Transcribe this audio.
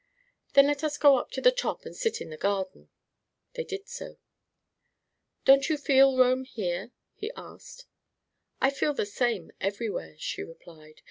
"Then let us go up to the top and sit in the garden." They did so. "Don't you feel Rome here?" he asked. "I feel the same everywhere," she replied.